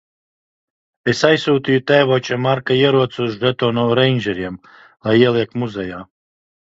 Es aizsūtīju tēvoča Marka ieroci un žetonu reindžeriem - lai ieliek muzejā.